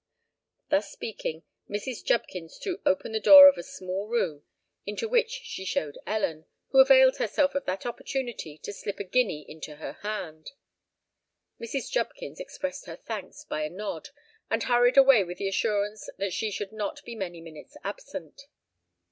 Thus speaking, Mrs. Jubkins threw open the door of a small room, into which she showed Ellen, who availed herself of that opportunity to slip a guinea into her hand. Mrs. Jubkins expressed her thanks by a nod, and hurried away with the assurance that she should not be many minutes absent.